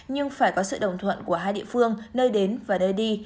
nhưng phải có sự đồng thuận của hai địa phương nơi đến và nơi đi